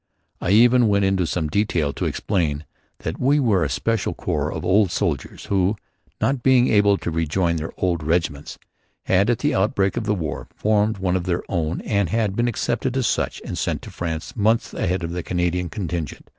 I even went into some detail to explain that we were a special corps of old soldiers who, not being able to rejoin their old regiments, had at the outbreak of war formed one of their own and had been accepted as such and sent to France months ahead of the Canadian contingent.